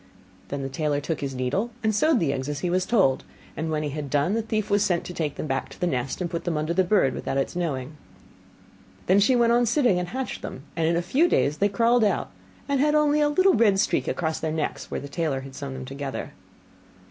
Then the tailor took his needle, and sewed the eggs as he was told; and when he had done, the thief was sent to take them back to the nest, and put them under the bird without its knowing it. Then she went on sitting, and hatched them: and in a few days they crawled out, and had only a little red streak across their necks, where the tailor had sewn them together.